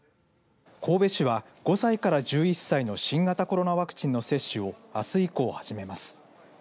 神戸市は５歳から１１歳の新型コロナワクチンの接種をあす以降、始めます。